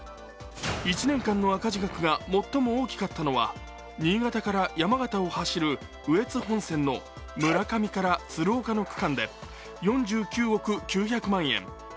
１年間の赤字額が最も大きかったのは新潟から山形を走る羽越本線の村上から鶴岡の区間で４９億９００万円。